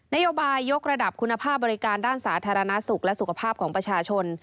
โยบายยกระดับคุณภาพบริการด้านสาธารณสุขและสุขภาพของประชาชน